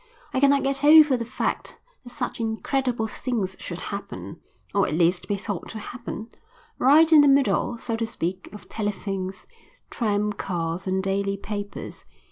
I cannot get over the fact that such incredible things should happen, or at least be thought to happen, right in the middle, so to speak, of telephones, tram cars, and daily papers.